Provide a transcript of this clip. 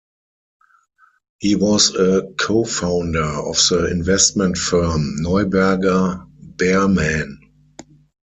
He was a co-founder of the investment firm Neuberger Berman.